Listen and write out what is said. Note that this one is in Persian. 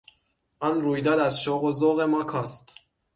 آن رویداد از شوق و ذوق ما کاست.